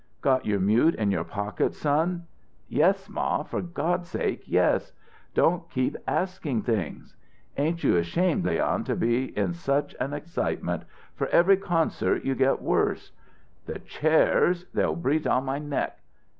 "Got your mute in your pocket, son?" "Yes, ma; for God's sake, yes! Yes! Don't keep asking things." "Ain't you ashamed, Leon, to be in such an excitement? For every concert you get worse." "The chairs they'll breathe on my neck."